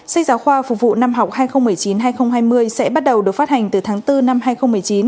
sách giáo khoa phục vụ năm học hai nghìn một mươi chín hai nghìn hai mươi sẽ bắt đầu được phát hành từ tháng bốn năm hai nghìn một mươi chín